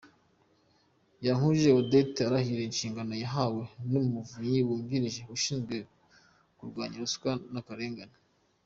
Yankurije Odette arahirira inshingano yahawe z'Umuvunyi wungirije ushinzwe kurwanya Ruswa n’Akarengane .